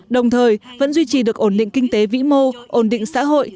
đồng thời vẫn duy trì được ổn định kinh tế vĩ mô ổn định xã hội